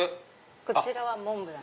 こちらはモンブラン。